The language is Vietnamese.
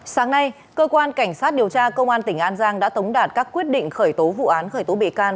sáng nay cơ quan cảnh sát điều tra công an tỉnh an giang đã tống đạt các quyết định khởi tố vụ án khởi tố bị can